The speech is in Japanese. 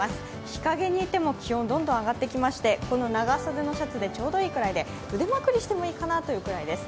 日影にいても気温どんどん揚がってきましてこの長袖のシャツでちょうどいいぐらいで腕まくりしてもいいかなというくらいです。